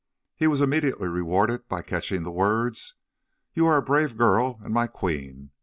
He was immediately rewarded by catching the words: 'You are a brave girl and my queen!'